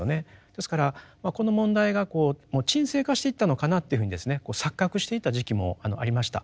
ですからこの問題がもう沈静化していったのかなというふうに錯覚していた時期もありました。